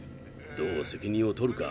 どう責任を取るか。